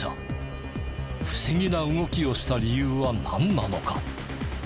不思議な動きをした理由はなんなのか？